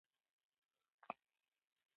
جواري یې تازه پوخ کړی و.